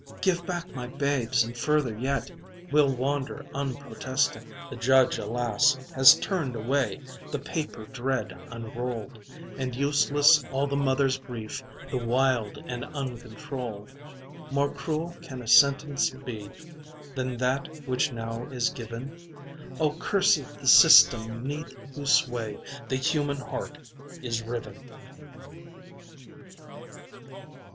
Give back my babes, and further yet We'll wander unprotesting." The judge, alas! has turned away, The paper dread unrolled, And useless all the mother's grief, The wild and uncontrolled. More cruel can a sentence be Than that which now is given? Oh cursed the system 'neath whose sway The human heart is riven!